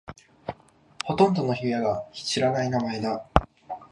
ほとんどの家が知らない名前だ。